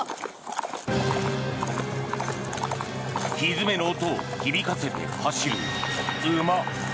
ひづめの音を響かせて走る馬。